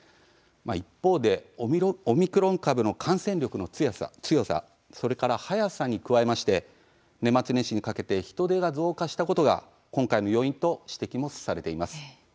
一方でオミクロン株の感染力の強さそれから早さに加えまして年末年始にかけて人出が増加したことが今回の要因と指摘もされています。